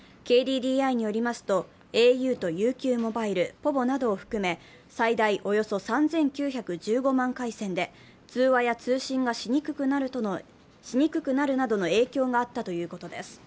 ＫＤＤＩによりますと、ａｕとＵＱｍｏｂｉｌｅ、ｐｏｖｏなどを含め最大およそ３９１５万回線で通話や通信がしにくくなるなどの影響があったということです。